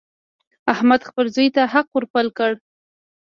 احمد خپل زوی ته حق ور پل کړ.